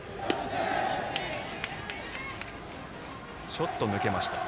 ちょっと抜けました。